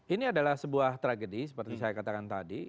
ini adalah sebuah tragedi seperti saya katakan tadi